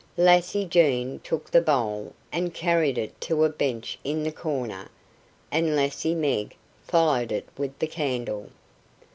Lassie Jean took the bowl and carried it to a bench in the corner, and Lassie Meg followed it with the candle.